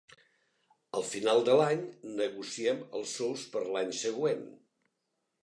Al final de l'any negociem els sous per a l'any següent.